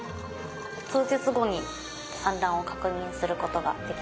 数日後に産卵を確認することができました。